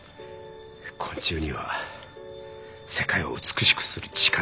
昆虫には世界を美しくする力がある。